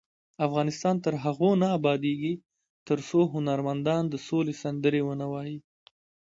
افغانستان تر هغو نه ابادیږي، ترڅو هنرمندان د سولې سندرې ونه وايي.